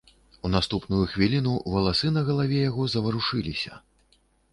У наступную хвіліну валасы на галаве яго заварушыліся.